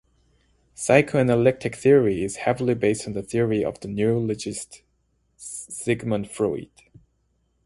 Psychoanalytic theory is heavily based on the theory of the neurologist Sigmund Freud.